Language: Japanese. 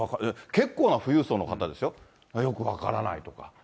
結構な富裕層の方ですよ、よく分からないとか。